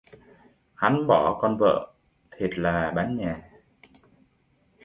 Hắn bỏ con vợ, thiệt là bán nhà